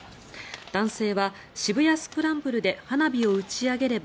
男性は渋谷スクランブルで花火を打ち上げれば